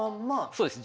そうです。